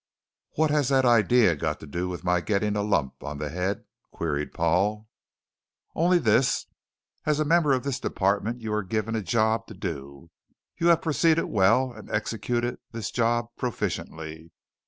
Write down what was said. "What has that idea got to do with my getting a lump on the head?" queried Paul. "Only this. As a member of this department, you were given a job to do. You have proceeded well and executed this job proficiently.